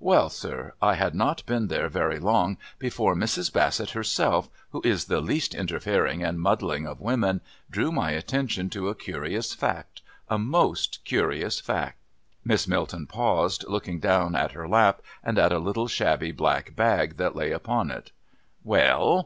"Well, sir, I had not been there very long before Mrs. Bassett herself, who is the least interfering and muddling of women, drew my attention to a curious fact, a most curious fact." Miss Milton paused, looking down at her lap and at a little shabby black bag that lay upon it. "Well?"